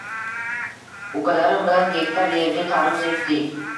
Ukalarim bilan gektar yerga tarvuz ekdik.